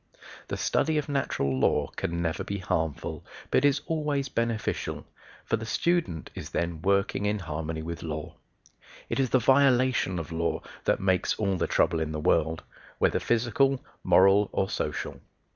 The study of natural law can never be harmful, but is always beneficial, for the student is then working in harmony with law. It is the violation of law that makes all the trouble in the world whether physical, moral, or social.